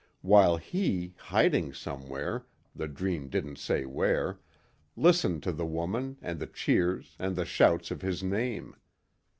while he, hiding somewhere, the dream didn't say where, listened to the woman and the cheers and the shouts of his name.